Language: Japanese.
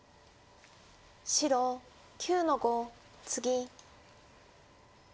白９の五ツギ。